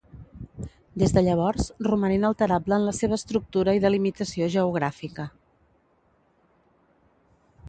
Des de llavors roman inalterable en la seva estructura i delimitació geogràfica.